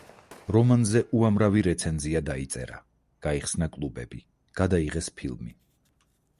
რომანზე უამრავი რეცენზია დაიწერა, გაიხსნა კლუბები, გადაიღეს ფილმი.